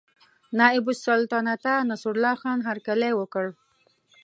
نایب السلطنته نصرالله خان هرکلی وکړ.